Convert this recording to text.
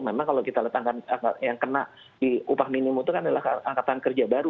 memang kalau kita lihat angka yang kena di upah minimum itu kan adalah angkatan kerja baru